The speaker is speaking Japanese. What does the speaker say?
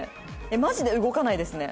えっマジで動かないですね。